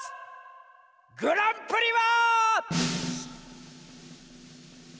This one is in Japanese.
グランプリは！